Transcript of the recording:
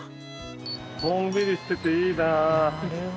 のんびりしてていいな。